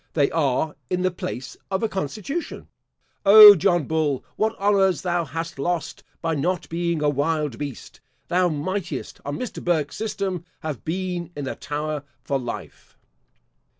They are in the place of a constitution. O John Bull, what honours thou hast lost by not being a wild beast. Thou mightest, on Mr. Burke's system, have been in the Tower for life.